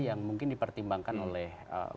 yang mungkin dipertimbangkan oleh